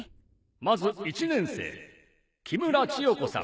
まず１年生木村千代子さん。